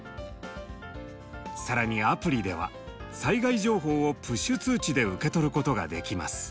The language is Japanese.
更にアプリでは災害情報をプッシュ通知で受け取ることができます。